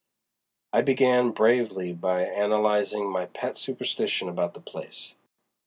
I began bravely by analyzing my pet superstition about the place.